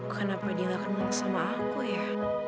kenapa dia gak kenal sama aku ya